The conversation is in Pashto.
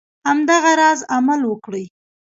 همدغه راز عمل وکړي.